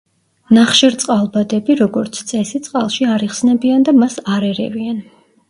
ნახშირწყალბადები, როგორც წესი წყალში არ იხსნებიან და მას არ ერევიან.